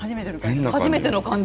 初めての感じ。